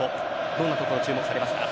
どんなところに注目されますか？